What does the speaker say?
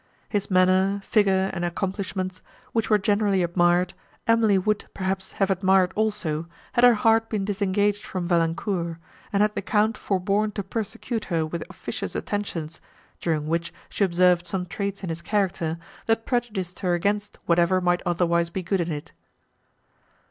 His manner, figure and accomplishments, which were generally admired, Emily would, perhaps, have admired also, had her heart been disengaged from Valancourt, and had the Count forborne to persecute her with officious attentions, during which she observed some traits in his character, that prejudiced her against whatever might otherwise be good in it.